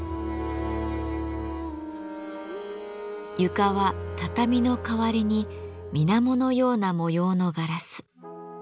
床は畳の代わりにみなものような模様のガラス。